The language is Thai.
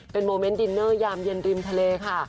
โมเมนต์ดินเนอร์ยามเย็นริมทะเลค่ะ